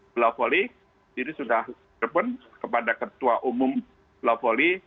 bola volley ini sudah terpun kepada ketua umum bola volley